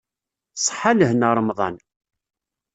Ṣṣeḥa lehna ṛemḍan.